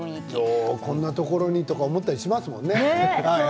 こんなところに？と思ったりしますよね。